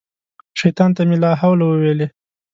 شیطان ته مې لا حول وویلې.